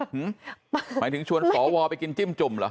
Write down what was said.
หมายถึงชวนสวไปกินจิ้มจุ่มเหรอ